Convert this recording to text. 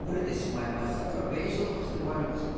それは弁償とかしてもらえるのかしら。